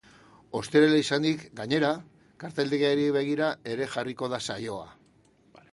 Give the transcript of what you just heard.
Ostirala izanik, gainera, karteldegiari begira ere jarriko da saioa.